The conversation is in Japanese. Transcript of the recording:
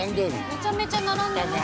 ◆めちゃめちゃ並んでますね。